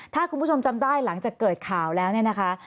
ถ้าคุณผู้ชมจำได้หลังจากเกิดข่าวแล้วเนี่ยนะคะ